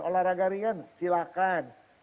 olahraga ringan silahkan